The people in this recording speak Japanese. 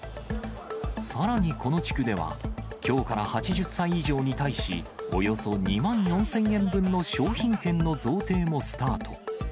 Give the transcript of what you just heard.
さらに、この地区では、きょうから８０歳以上に対し、およそ２万４０００円分の商品券の贈呈もスタート。